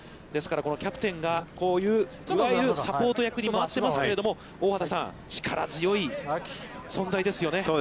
ですから、キャプテンがこういういわゆるサポート役に回っていますけれども大畑さん、力強い存在ですよね。